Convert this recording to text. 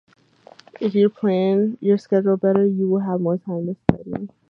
If you plan your schedule better, you will have more time to study.